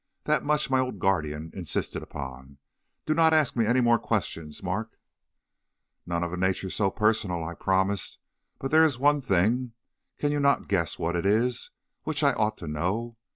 That much my old guardian insisted upon. Do not ask me any more questions, Mark.' "'None of a nature so personal,' I promised. 'But there is one thing can you not guess what it is? which I ought to know.